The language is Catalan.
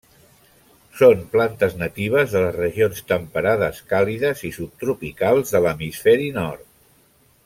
Són plantes natives de les regions temperades càlides i subtropicals de l'Hemisferi Nord.